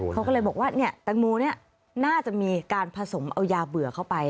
เขาก็เลยบอกว่าแตงโมเนี่ยน่าจะมีการผสมเอายาเบื่อเข้าไป